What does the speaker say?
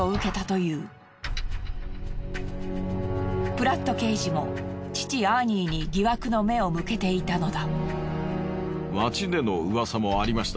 プラット刑事も父アーニーに疑惑の目を向けていたのだ。